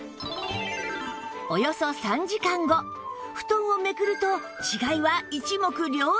およそ３時間後布団をめくると違いは一目瞭然！